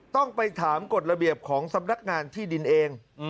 ต้องไปถามกฎระเบียบของสำนักงานที่ดินเอง